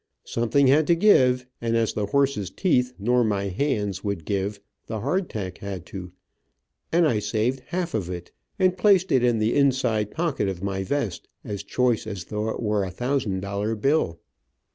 Something had to give, and as the horse's teeth nor my hands would give, the hard tack had to, and I saved half of it, and placed it in the inside pocket of my vest, as choice as though it were a thousand dollar bill.